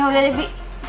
ya udah deh bi